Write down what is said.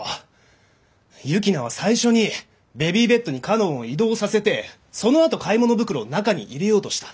幸那は最初にベビーベッドに佳音を移動させてそのあと買い物袋を中に入れようとした。